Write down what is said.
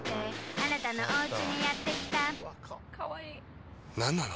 あなたのおウチにやってきた何なの？